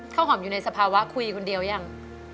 ข้าวหอมอยู่ในสภาวะคุยคนเดียวยัง